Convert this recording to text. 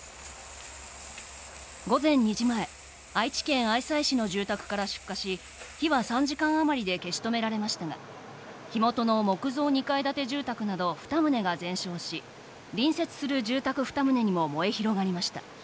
午前２時前、愛知県愛西市の住宅から出火し、火は３時間余りで消し止められましたが、火元の木造２階建て住宅など２棟が全焼し、隣接する住宅２棟にも燃え広がりました。